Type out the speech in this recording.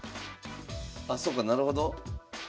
あそうかなるほど。